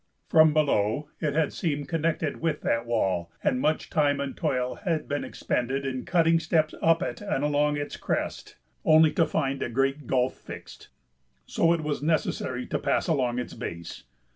From below, it had seemed connected with that wall, and much time and toil had been expended in cutting steps up it and along its crest, only to find a great gulf fixed; so it was necessary to pass along its base.